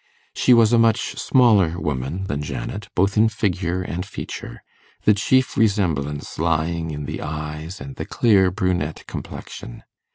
She was a much smaller woman than Janet, both in figure and feature, the chief resemblance lying in the eyes and the clear brunette complexion.